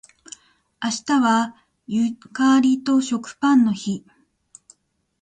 明日はゆかりと食パンの日